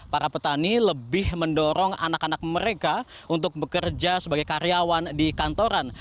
para petani lebih mendorong anak anak mereka untuk bekerja sebagai karyawan di kantoran